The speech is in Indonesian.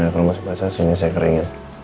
kalo masih basah sini saya keringin